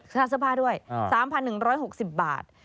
ราคาเสื้อผ้าด้วย๓๑๖๐บาท